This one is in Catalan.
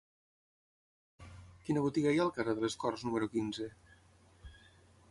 Quina botiga hi ha al carrer de les Corts número quinze?